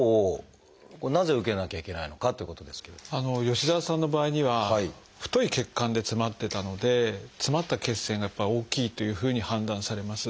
吉澤さんの場合には太い血管で詰まってたので詰まった血栓が大きいというふうに判断されます。